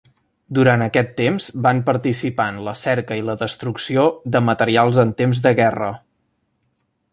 Durant aquest temps van participar en la cerca i la destrucció de materials en temps de guerra.